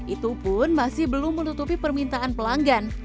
itu pun masih belum menutupi permintaan pelanggan